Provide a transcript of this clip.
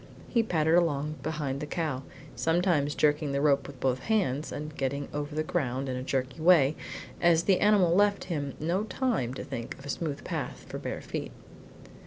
He pattered along behind the cow, sometimes holding the rope with both hands, and getting over the ground in a jerky way, as the animal left him no time to think of a smooth path for bare feet.